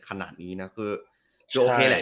ขนาดนี้นะคือโอเคแหละ